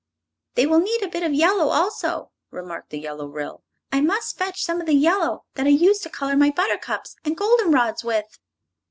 "They will need a bit of yellow, also," remarked the Yellow Ryl; "I must fetch some of the yellow that I use to color my buttercups and goldenrods with."